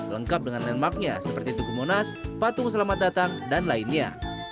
lengkap dengan landmarknya seperti tuku monas patung selamat datang dan lainnya